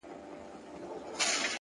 خپل وجدان تل ویښ وساتئ.!